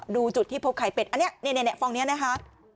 ดูจุดที่พบไข่เป็ดอันนี้ฟองนี้นะคะ